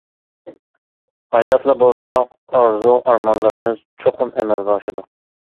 ھاياتلا بولساق، ئارزۇ-ئارمانلىرىمىز چوقۇم ئەمەلگە ئاشىدۇ.